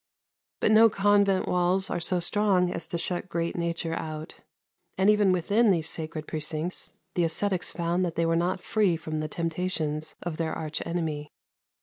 But no convent walls are so strong as to shut great nature out; and even within these sacred precincts the ascetics found that they were not free from the temptations of their arch enemy.